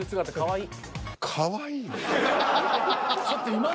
かわいい。